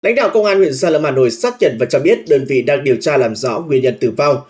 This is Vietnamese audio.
lãnh đạo công an huyện gia lâm hà nội xác nhận và cho biết đơn vị đang điều tra làm rõ nguyên nhân tử vong